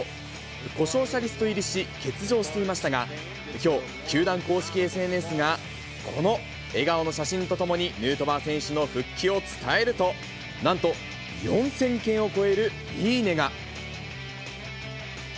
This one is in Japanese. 故障者リスト入りし、欠場していましたが、きょう、球団公式ＳＮＳが、この笑顔の写真と共に、ヌートバー選手の復帰を伝えると、なんと４０００件を超えるいいねが。